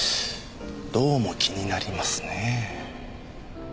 どうも気になりますねぇ。